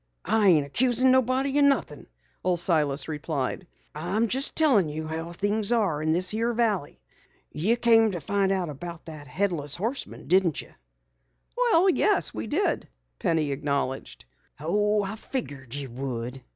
"I ain't accusin' nobody o' nothin'," Old Silas replied. "I'm jes' tellin' you how things are in this here valley. Ye came to find out about that Headless Horseman, didn't ye?" "Well, yes, we did," Penny acknowledged. "Figured you would.